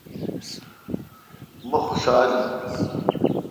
مہ خوشال این۔